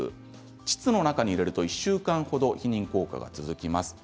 ちつの中に入れると１週間後程、避妊効果が続きます。